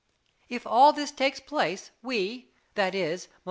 If all this takes place, we that is, M.